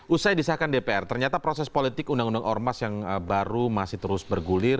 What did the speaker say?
usai disahkan dpr ternyata proses politik undang undang ormas yang baru masih terus bergulir